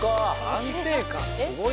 安定感すごい。